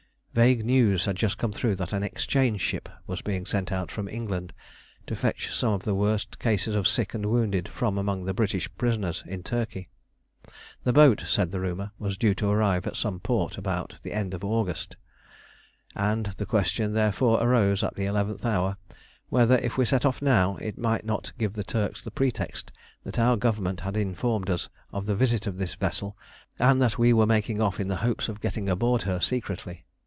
Vague news had just come through that an exchange ship was being sent out from England to fetch some of the worst cases of sick and wounded from among the British prisoners in Turkey. The boat, said the rumour, was due to arrive at some port at about the end of August, and the question therefore arose at the eleventh hour whether, if we set off now, it might not give the Turks the pretext that our Government had informed us of the visit of this vessel, and that we were making off in the hopes of getting aboard her secretly.